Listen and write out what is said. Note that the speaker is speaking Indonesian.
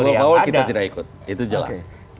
kalau power kita tidak ikut itu jelas